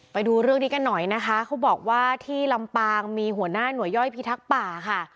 ไปดูเรื่องนี้กันหน่อยนะคะเขาบอกว่าที่ลำปางมีหัวหน้าหน่วยย่อยพิทักษ์ป่าค่ะ